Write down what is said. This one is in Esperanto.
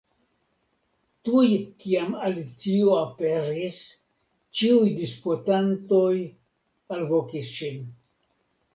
Tuj kiam Alicio aperis, ĉiuj disputantoj alvokis ŝin.